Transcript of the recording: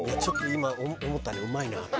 ちょっと今思ったねうまいな。